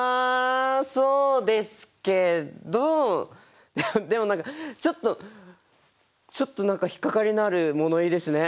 そうですけどでも何かちょっとちょっと何か引っ掛かりのある物言いですね。